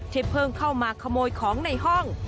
เพิ่งเข้ามาขโมยของในห้อง